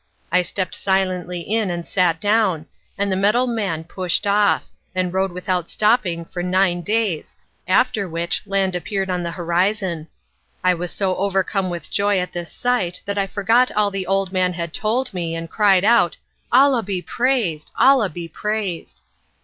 I stepped silently in and sat down, and the metal man pushed off, and rowed without stopping for nine days, after which land appeared on the horizon. I was so overcome with joy at this sight that I forgot all the old man had told me, and cried out, "Allah be praised! Allah be praised!"